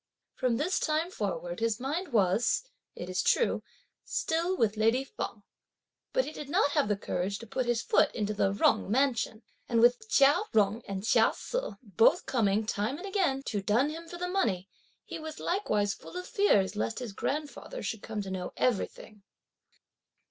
From this time forward his mind was, it is true, still with lady Feng, but he did not have the courage to put his foot into the Jung mansion; and with Chia Jung and Chia Se both coming time and again to dun him for the money, he was likewise full of fears lest his grandfather should come to know everything.